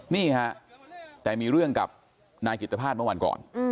นี่ฮะแต่มีเรื่องกับนายกิตภาษณเมื่อวันก่อน